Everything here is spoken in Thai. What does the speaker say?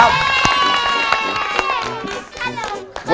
โอเคโอเค